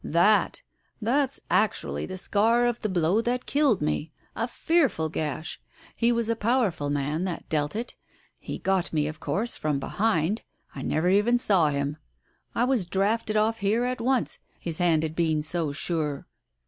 "That ! That's actually the scar of the blow that killed me. A fearful gash I He was a powerful man that dealt it. He got me, of course, from behind. I never even saw him. I was drafted off here at once, his hand had been so sure."